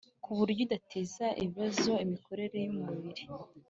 ku buryo idateza ibibazo imikorere yumubiri